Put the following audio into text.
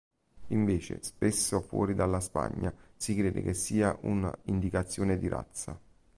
Invece spesso fuori dalla Spagna si crede che sia un’indicazione di razza.